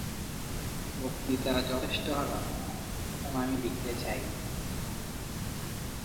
বক্তৃতা যথেষ্ট হল, এখন আমি লিখতে চাই।